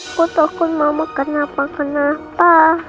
aku takut mama kenapa kenapa